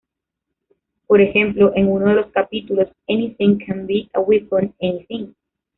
Por ejemplo, en uno de los capítulos, "Anything can be a weapon- Anything!